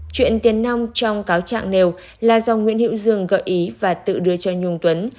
chuyện tiền nong trong cáo trạng nều là do nguyễn hiệu dương gợi ý và tự đưa cho nhung tuấn